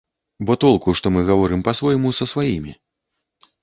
Бо толку што мы гаворым па-свойму са сваімі?